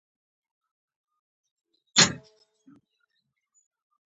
هغه جسمونه چې الکترون ورکوي مثبت چارجیږي.